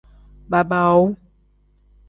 Baabaawu.